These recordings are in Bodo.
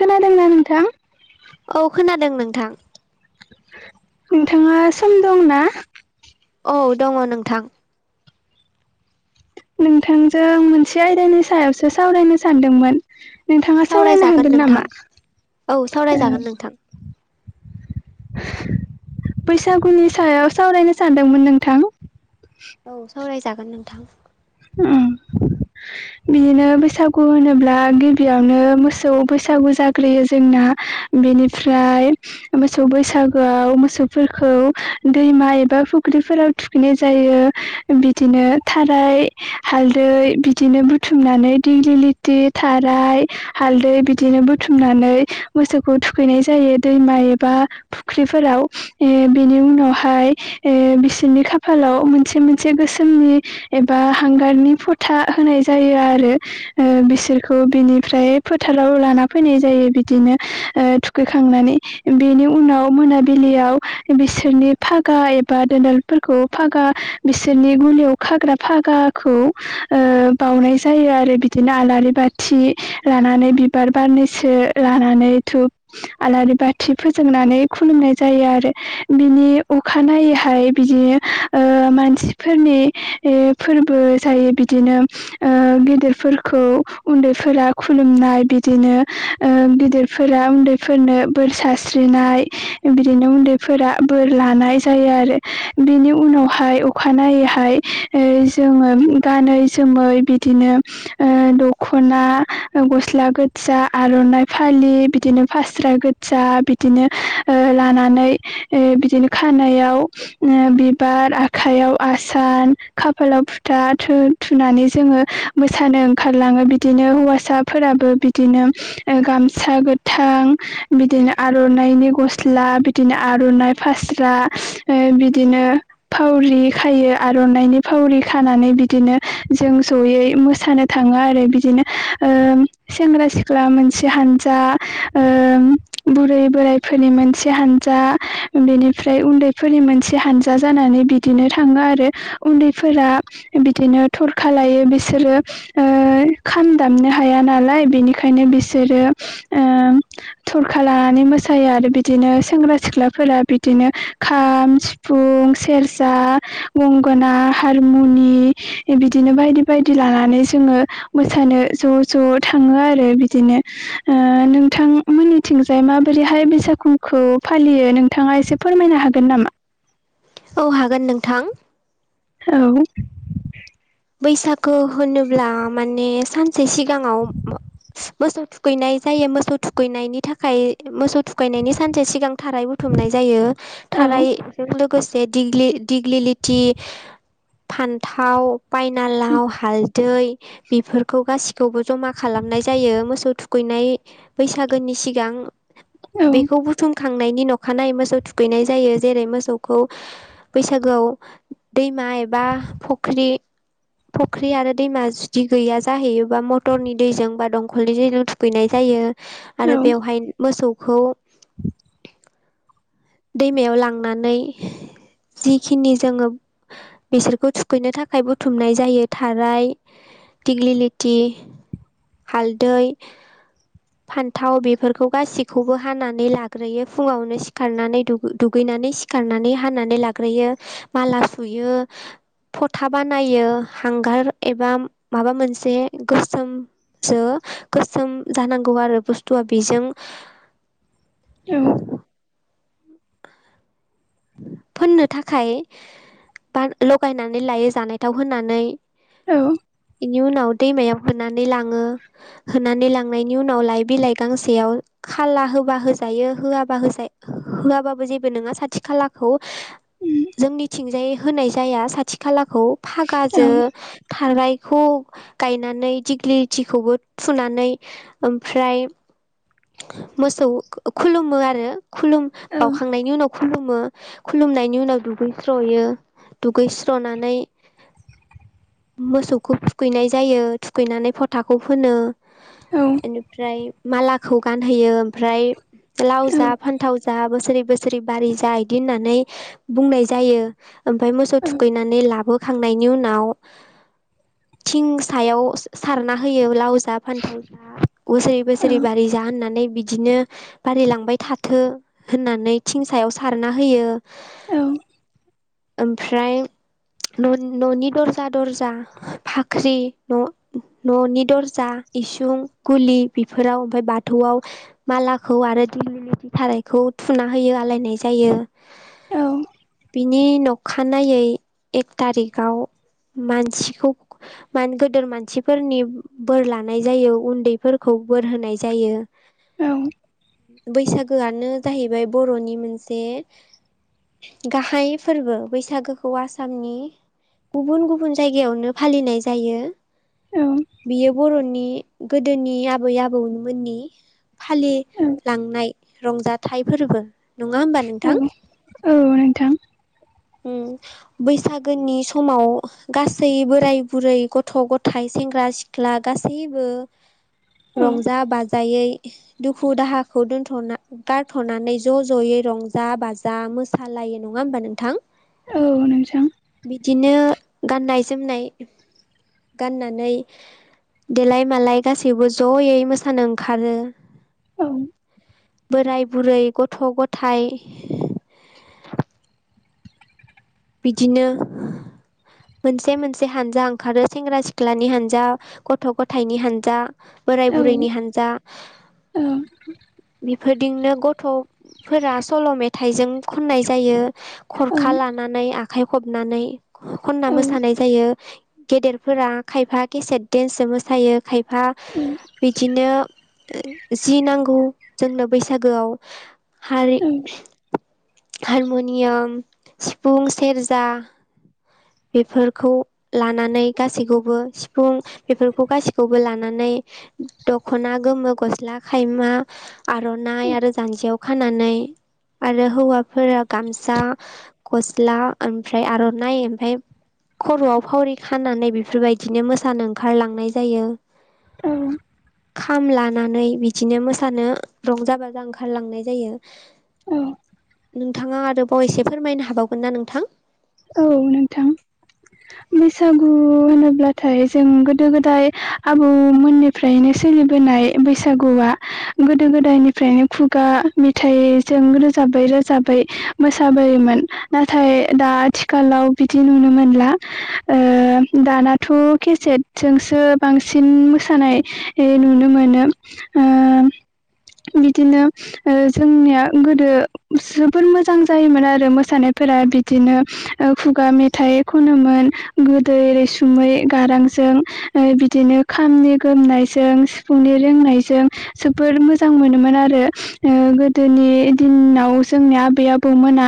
खोनादोंना नोंथां औ खोनादों नोंथां नोंथाङा सम दंना? औ दङ नोंथां। नोंथांजों मोनसे आयदानि सायावसो सावरायनो सानदोंमोन नोंथाङा सावरायनो सावरायजागोन हागोन नोंथां नामा औ सावरायजागोन नोंथां बैसागुनि सायाव सावरायनो सानदोंमोन नोंथां। औ सावरायजागोन नोंथां। बिदिनो बैसागु होनोब्ला गिबियावनो मोसौ बैसागु जाग्रोयो जोंना बेनिफ्राय मोसौ बैसागोआव मोसौफोरखौ दैमा एबा फु फुख्रिफोराव थुखैनाय जायो, बिदिनो थाराय, हालदै बिदिनो बु थुमनानै दिगलि लिथि थाराय हालदै बिदिनो बुथुमनानै मोसौखौ थुखैनाय जायो दैमा एबा फुख्रिफोराव ओ बिनि उनावहाय ओ बिसनि खाफालाव मोनसे मोनसे गोसोमनि एबा हांगारनि फथा होनाय जायो आरो ओ बिसोरखौ बिनिफ्राय फोथाराव लाना फैनाय जायो बिदिनो ओ थुखैखांनानै बेनि उनाव मोनाबिलियाव बिसोरनि फागा एबा दोनदालफोरखौ फागा बिसोरनि गुुलियाव खाग्रा फागाखौ ओ बावनाय जायो आरो बिदिनो आलारि बाथि लानानै बिबार बारनैसो लानानै धुफ आलारि बाथि फोजोंनानै खुलुमनाय जायो आरो बिनि अखानायनायै हाय बिदिनो ओ मानसिफोरनि ओ फोरबो जायो बिदिनो ओ गिदिरफोरखौ उन्दैफोरा खुलुमनाय बिदिनो ओ गिदिर फोर उन्दैफोरनो बोर सारस्रिनाय बिदिनो उन्दैफोरा बोर लानाय जायो आरो बिनि उनावहाय अखानायैहाय जोङो गानै जोमै बिदिनो ओ दखना गस्ला गोज्जा आर'नाइ फा लि बिदिनो फास्रा गोज्जा बिदिनो ओ लानानै ओ बिदिनो खानाय बेयाव ओ बिबार, आखाइयाव आसान, खाफालाव फुथा थोन थुनानै जोंङो मोसानो ओंखारलाङो बिदिनो हौवासाफोराबो बिदिनो ओ गाम मसा गोथां बिदिनो आर'नाइनि गस्ला बिदिनो आर'नाइ फास्रा ओ बिदिनो फावरि खायो, आर'नाइनि फावरि खानानै बिदिनो जों जयै मोसानो थांङो आरो बिदिनो ओ सेंग्रा सिख्ला मोनसे हा हानजा ओ बुरै बोरायफोरनि मोनसे हानजा बेनिफ्राय उन्दैफोरनि मोनसे हानजा जानानै बिदिनो थाङो आरो उन्दैफोरा बिदिनो थरखा लायो बिसोरो ओ खाम दामनो हाया नालाय बिनिखायनो बिसोरो ओ थरखा लानानै मोसायो आरो बिदिनो सेंग्रा सिख्लाफोरा बिदिनो खाम, सिफुं, सेरजा, गंगोना हारमुनि बिदिनो बायदि बायदि लानानै जोंङो मोसानो ज' ज' थांङो आरो बिदिनो ओ नोंथां मोननिथिंजाय माबोरैहाय बैसागुखौ फालियो नोंथाङा एसे फोरमाय होनो हागोन नामा? औ हागोन नोंथां। औ बैसागो होनोब्ला माने सानसे सिगांङाव मोसौ थुखैनाय जायो मोसौ थुखैनायनि थाखाय मोसौ थुखायनायनि सानसे सिगां थाराय बुथुमनाय जायो औ थाराजों लो गोसे दिग्लि-दिग्लिलिथि फान्थाव बायना लाव, हालदै बेफोरखौ गासि खौबो जमा खालामनाय जायो मोसौ थुखैनाय बैसागोनि सिगां औ बेखौ बुथुमखांनायनि न अखानायै मोसौ थुखैनाय जायो जेरै मोसौखौ बैसागोआव दैमा एबा फुख्रि [inaudible] फख्रि आरो दैमा जुदि गैया जाहैयोबा मटरनि दैजों बा दंखलनि दैजों थुगैनाय जायो। औ आरो बेवहाय मोसौखौ दैमायाव लांनानै जिखिनि जोङो बिसोरखौ थुखैनो थाखाय बुथुमनाय जायो थाराय दिग्लिलिथि हालदै। फान्थाव बेफोरखौ गाससिखौबो हानानै लाग्रोयो फुङावनो सिखारनानै दुग-दुगैनानै सिखारनानै हानानै लाग्रोयो माला सुयो फथा बानायो हांगार एबा माबा मोनसे गोसोम जो गोसोम जानांगौ आरो बुस्थुआ बेजों [inaudible] फोननो थाखाय बा लगायनानै लायो जानायथाव होनानै औ इनि उनाव दैमायाव होनानै लाङो होनानै लांनायनि उनाव लाइ बिलाइ गांसेयाव खाला होबा हो जायो होआबा जा होआबाबो जेबो नङा सा थि खालाखौ जोंनिथिजाय होनाय जाया साथि खाला खौ औ फागाजो थारायखौ गायनानै दिग्लिलिथिखौबो थुनानै ओमफ्राय मोसौ खुलुमो आरो खुलुम बावखांनायनि उनाव खुलुमो खुलुमनायनि उनाव दुगैस्र'यो दुगैस्र'नानै मोसौखौ थुखैनाय जायो थुखैनानै फथाखौ फोनो औ बेनिफ्राय मालाखौ गानहोयो ओमफ्राय लाव औ जा फान्थाव जा बोसोरै बोसोरै बारि जा बिदि होननानै बुंनाय जायो ओमफ्राय मौसौ थुखैनानै लाबो खांनायनि उनाव थिं सायाव सारना होयो लावजा, फान्थाव जा बोसोरै बोसोरै बारि जा होननानै बिदिनो बारायलांबाय थाथों होननानै थिंसायाव सारना होयो। औ ओमफ्राय न' न'नि दरजा दर्जा फाख्रि न' न'नि दर्जा इसुं गुलि बेफोराव ओमफ्राय बाथौआव मालाखौ आरो दिग्लिलिथि थारायखौ थुना होयो आलायनाय जायो। औ बिनि न'खानायै एक थारिखाव मानसिखौ मान गदेर मानसिफोरनि बोर लानाय जायो उन्दैफोरखौ बोर होनाय जायो औ बैसागोआनो जाहैबाय बर'नि मोनसे गाहाय फोरबो बैसागोखौ आसामनि गुबुन गुबुन जायगायावनो फालिनाय जायो बियो बर'नि गोदोनि आबै-आबौमोननि फालिलांनाय रंजाथाइ फोरबो नङा होमबा नोंथां औ औ नोंथां उम बैसागोनि समाव गासै बोराय-बुरै, गथ'-गथाय, सेंग्रा-सि सिख्ला गासैबो औ रंजा-बाजायै दुखु दाहाखौ दोनथ'ना गारथ'नानै ज' ज'यै रंजा-बाजा मोसालायो नङा होमबा नोंथां। औ बिदिनो गाननाय-जोमनाय गाननानै देलाय-मालाय गासैबो ज'यै मोसानो ओंखारो औ बोराय-बुरै, गथ'-गथाय बिदिनो मोनसे मोनसे हानजा ओंखारो सेंग्रा-सिख्लानि हानजा गथ'-गथायाइनि हानजा औ बोराय-बुरैनि हानजा औ बेफोरदिंनो गथ' फोरा सल' मेथाइजों खननाय जायो खरखा ला नाय आखाइ खबनानै खनना औ मोसानाय जायो गेदेरफोरा खायाफा खेसेद देन्सो मोसायो खायफा बिदिनो जि नांगौ जोंनो बैसागोआव हारि हारमुनियाम, सिफुं, सेरजा बेफोरखौ लानानै गासैखौबो सिफुं बेफोरखौ गासैखौबो लानानै दख'ना गोमो गस्ला खायमा आर'नाइ आरो जान्जियाव खानानै आरो हौवाफोरा गामसा गस्ला ओमफ्राय आर'नाइ ओमफ्राय खर'आव फावरि खानानै बेफोरबायदिनो मोसानो ओंखारलांनाय जायो । औ । खाम लानानै बिदिनो मोसानो रंजा बाजा ओंखारलांनाय जायो औ । नोंथाङा आरोबाव एसे फोरमायनो हाबावगोन ना नोंथां? औ नोंथां । बैसागु होनोब्लाथाय जों गोदो गोदाय आबौमोननिफ्रायनो सोलि सिलिबोनाय बैसागुआ गोदो गोदायनिफ्रायनो खुगा मेथाइजों रोजाब बै रोजाबै मोसाबोयोमोन नाथाय दा आथिखालाव बिदि नुनो मोनला । ओ दानाथ' केसेटजोंसो बांसिन मोसानाय नुनो मोनो । ओ बिदिनो ओ जोंनिया गोदो जोबोर मोजां जायोमोन आरो मोसानाय फोरा बिदिनो खुगा मेथाइ खनोमोन गोदै रैसुमै गारांजों ओ बिदिनो खामनि गोमनायजों सिफुंनि रिंनायजों जोबोर मोजां मोनोमोन आरो गोदोनि दिनाव जोंनि आबै आबौमोना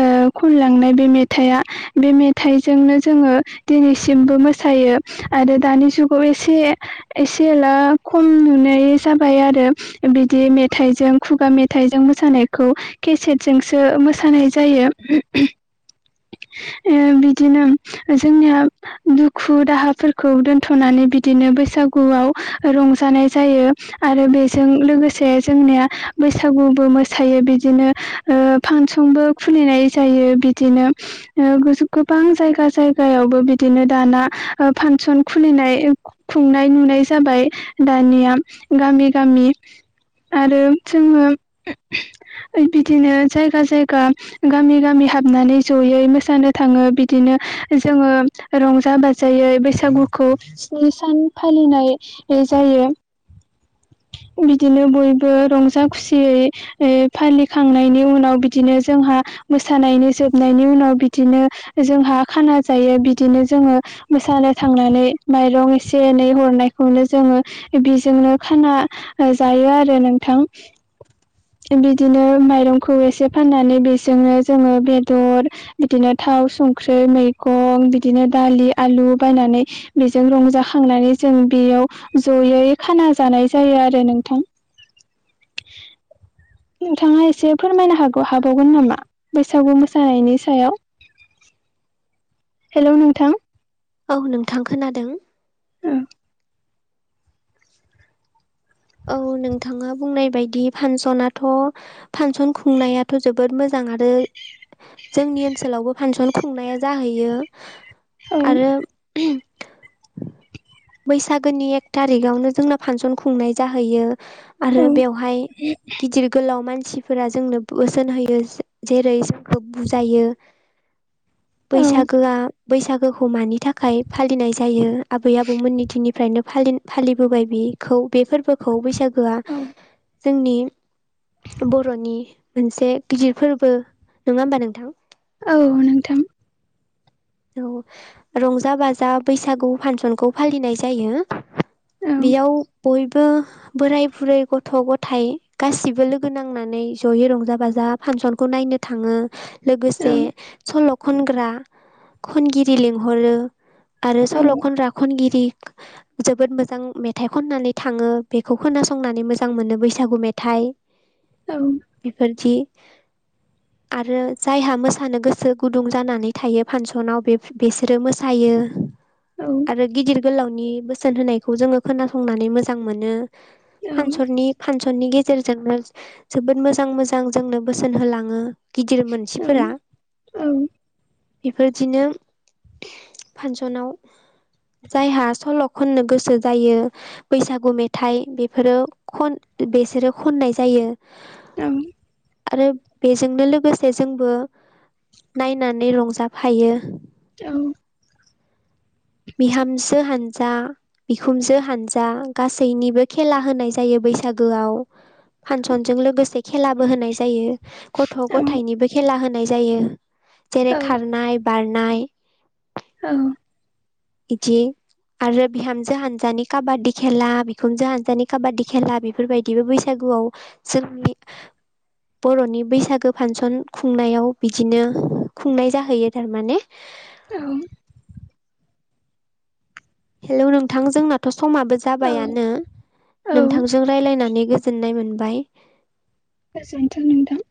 ओ खनलांनाय बे मेथाया बे मेथायजोंनो जोङो दिनैसिमबो मोसायो आरो दानि जुगाव एसे एसे एला खम नुनाय जाबाय आरो बिदि मेथाइजों खुगा मेथाइजों मोसानायखौ । केसेटजोंसो मोसानाय जायो ओ बिदिनो जोंनिया दुखु दाहाफोरखौ दोनथ'नानै बिदिनो बैसागुआव रंजानाय जायो । आरो बेजों लोगोसे जोंनिया बैसागुबो मोसायो बिदिनो ओ फांस बो खुलिनाय जायो बिदिनो ओ गोबां जायगा जायगायावबो बिदिनो दाना ओ फांसन खुलिनाय खुंनाय नुनाय जाबाय । दानिया गामि गामि आरो जोङो बिदिनो जायगा जायगा गामि गामि हाबनानै जयै मोसानो थाङो बिदिनो जोङो रंजा बाजायै बैसागुखौ स्नि सान फालिनाय जायो । यो [unintelligible] बिदिनो बयबो रंजा खुसियै फालिखांनायनि उनाव बिदिनो जोंहा मोसानायनि जोबनायनि उनाव बिदिनो जोंहा खाना जायो बिदिनो जोङो मोसा नो थांनानै माइरं एसे एनै हरनायखौनो जोंङो बिजोंनो खाना जायो आरो नोंथां । बिदिनो माइरंखौ एसे फाननानै बेजोंनो जोङो बेदर बिदिनो था संख्रि, मैगं, बिदिनो दालि, आलु बायनानै बेजों रंजाखांनानै जों बेयाव जयै खाना जानाय जायो आरो नोंथां । नोंथाङा एसे फोरमायनो हागौ हाबावगोन नामा बैसागु मोसानायनि सायाव? हेल' नोंथां । औ नोंथां खोनादों । ओ औ नोंथाङा बुंनाय बायदि फानसनाथ' फानसन खुंनायाथ' जोबोद मोज जां आरो जोंनि ओनसोलावबो फानसन खुंनाया जाहैयो । औ आरो बैसागोनि एक थारिकावनो जोंना फांसन खुंनाय जाहैयो आरो बेवहाय गिदिर गोलाव मानसि मानसिफोरा जोंनो बोसोन होयो जेरै जोंखौ बुजायो औ बैसागोआ बैसागोखौ मानि थाखाय फालिनाय जायो आबै आबौमोननि दिननिफ्रायनो फालि फालिबोबाय बिखौ बे फोरबोखौ बैसागोआ जोंनि बर'नि मोनसे गिदिर फोरबो नङा होमबा नोंथां? औ नोंथां । औ रंजा बाजा बैसागु फांसनखौ फालिनाय जायो। औ बेयाव बयबो बोराइ बुरै गथ' गथायाइ गासिबो लोगो नांनानै जयै रंजा बाजा फांसनखौ नायनो थाङो । औ लोगोसे सल' खनग्रा खनगिरि लिंहरो आरो औ सल' खनग्रा खनगिरि [inaudible] जोबोद मोजां मेथाइ खननानै थाङो बेखौ खोनासंनानै मोजां मोनो बैसागु मेथाइ औ बेफोरदि आरो जायहा मोसानो गोसो गुदुं जानानै थायो फानस बिसोरो मोसायो औ आरो गिदिर गोलावनि बोसोन होनायखौ जोङो खोनासंनानै मोजां मोनो औ फानसननि फानसननि गेजेरजोंनो जोबोद मोजां मोजां जोंनो बोसोन होलाङो। गिदिर मोनसिफोरा औ बिदिनो फांसनाव जायहा सल' खननो गोसो जायो बैसागु मेथाइ बेफोरो खन बेसोरो खननाय जायो ओं । आरो बेजोंनो लोगोसे जोंबो नायनानै रंजाफायो औ । बिहामजो हानजा बिखुमजो हानजा गासैनिबो खेला होनाय जायो बैसागोआव फांसनजों लोगोसे खेलाबो होनाय जायो। गथ' गथायाइनिबो खेला होनाय जायो । जेरै खारनाय बारनाय औ । इदि आरो बिहामजो हानजानि काबादि खेला बिखुनजो हानजानि काबादि खेला बेफोरबायदिबो बैसागु [unintelligible] बर'नि बैसागो फांसन खुंनायाव बिदिनो खुंनाय जाहैयो थारमाने औ । हेलौ नोंथां जोंनाथ' समाबो औ जाबायानो औ नोंथांजों राय्लायनानै गोजोननाय मोनबाय । गोजोनथों नोंथां ।